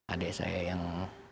adik saya yang